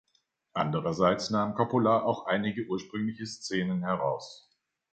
Andererseits nahm Coppola auch einige ursprüngliche Szenen heraus.